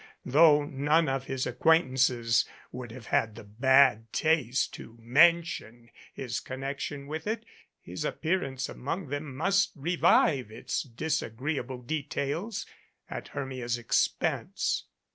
though none of his ac quaintances would have had the bad taste to mention his connection with it, his appearance among them must revive its disagreeable details, at Hermia's expense.